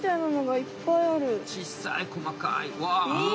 ちっさいこまかいうわ！